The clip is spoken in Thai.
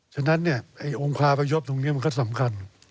ฉะนั้นเนี่ยโองความประยบตรงนี้มันก็สำคัญ